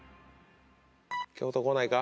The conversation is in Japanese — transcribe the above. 京都こないか？